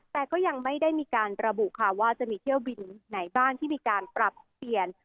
แต่ก็ยังไม่ได้มีการระบุค่ะว่าจะมีเที่ยวบินไหนบ้างที่มีการปรับเปลี่ยน